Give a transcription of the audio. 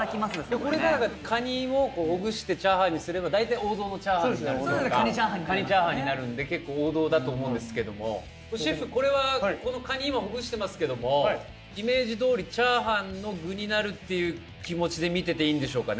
これからカニをほぐしてチャーハンにすれば大体王道のチャーハンになるというかカニチャーハンになるんで結構王道だと思うんですけどもシェフこれはこのカニ今ほぐしてますけどもイメージどおりチャーハンの具になるっていう気持ちで見てていいんでしょうかね？